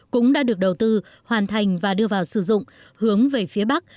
cũng đã được đầu tư hoàn thành và đưa vào sử dụng hướng về phía bắc